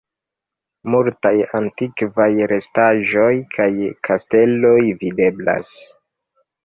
Multaj antikvaj restaĵoj kaj kasteloj videblas.